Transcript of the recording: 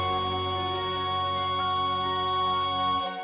はい！